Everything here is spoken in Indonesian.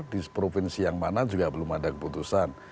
di provinsi yang mana juga belum ada keputusan